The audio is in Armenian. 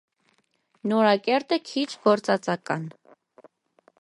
Նորակերտ է, քիչ գործածական։